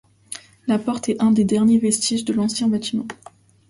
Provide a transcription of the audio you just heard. La porte est un des derniers vestiges de l'ancien bâtiment.